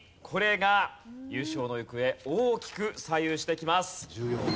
これが優勝の行方大きく左右してきます。